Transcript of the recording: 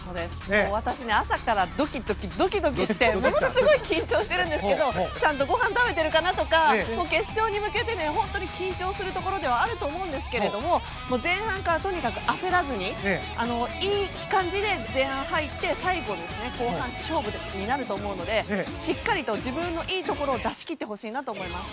私、朝からドキドキドキドキしてものすごい緊張しているんですけどちゃんとごはん食べてるかなとか決勝に向けて、本当に緊張するところではありますが前半から、とにかく焦らずにいい感じで前半入って最後、後半勝負になると思うのでしっかりと自分のいいところを出し切ってほしいなと思います。